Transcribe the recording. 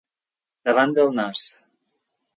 Davant del nas.